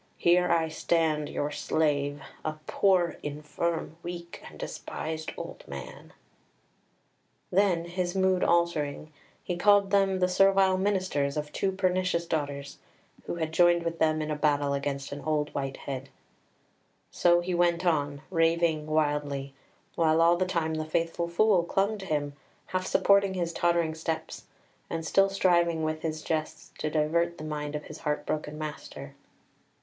Here I stand, your slave, a poor, infirm, weak, and despised old man." [Illustration: "Blow, winds! Rage! Blow!"] Then, his mood altering, he called them the servile ministers of two pernicious daughters, who had joined with them in battle against an old white head. So he went on, raving wildly, while all the time the faithful Fool clung to him, half supporting his tottering steps, and still striving with his jests to divert the mind of his heart broken master.